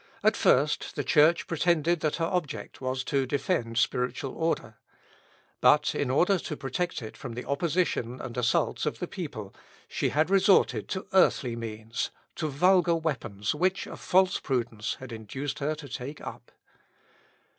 At first the Church pretended that her object was to defend spiritual order. But in order to protect it from the opposition and assaults of the people, she had resorted to earthly means, to vulgar weapons, which a false prudence had induced her to take up.